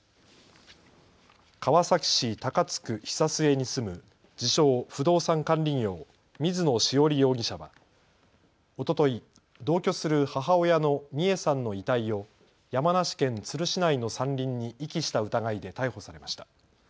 川崎市高津区久末に住む自称・不動産管理業、水野潮理容疑者はおととい同居する母親の美惠さんの遺体を山梨県都留市内の山林に遺棄した疑いで逮捕されました。